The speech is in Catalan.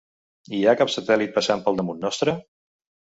Hi ha cap satèl·lit passant per damunt nostre?